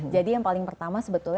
jadi yang paling pertama sebetulnya